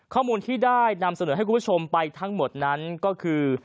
ข้อมูลที่ได้นำเสนอให้คุณผู้ชมไปทั้งหมดนั้นก็คือ